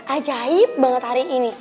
ajaib banget hari ini